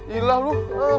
ih lah lu